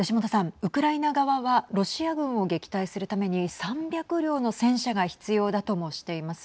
ウクライナ側はロシア軍を撃退するために３００両の戦車が必要だともしています。